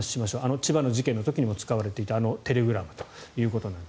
千葉の事件の時にも使われていたテレグラムです。